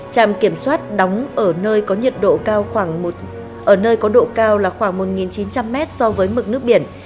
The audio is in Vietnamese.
trạm kiểm soát đóng ở nơi có độ cao khoảng một chín trăm linh m so với mực nước biển